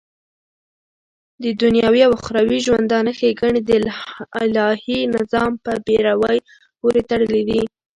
ددنيوي او اخروي ژوندانه ښيګڼي دالهي نظام په پيروۍ پوري تړلي دي